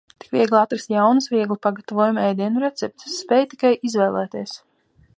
Tik viegli atrast jaunas, viegli pagtavojamu ēdienu receptes. Spēj tikai izvēlēties!